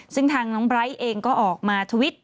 ซึ่งทางน้องไบร์ทเองก็ออกมาทวิต